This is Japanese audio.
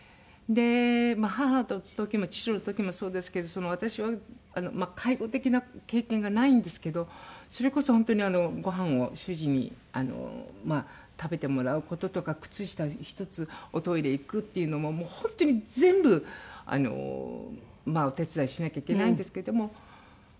まあ母の時も父の時もそうですけど私は介護的な経験がないんですけどそれこそ本当にごはんを主人に食べてもらう事とか靴下１つおトイレ行くっていうのももう本当に全部お手伝いしなきゃいけないんですけども。